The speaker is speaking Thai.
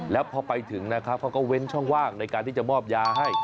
แล้วพอไปถึงนะครับเขาก็เว้นช่องว่างในการที่จะมอบยาให้